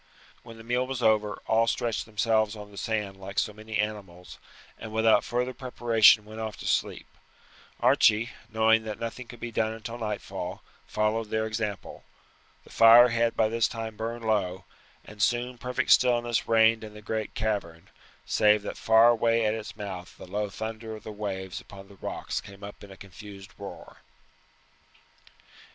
When the meal was over all stretched themselves on the sand like so many animals, and without further preparation went off to sleep. Archie, knowing that nothing could be done until nightfall, followed their example. The fire had by this time burned low, and soon perfect stillness reigned in the great cavern, save that far away at its mouth the low thunder of the waves upon the rocks came up in a confused roar.